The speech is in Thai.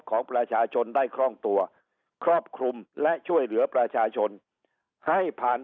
ของประชาชนได้คล่องตัวครอบคลุมและช่วยเหลือประชาชนให้ผ่าน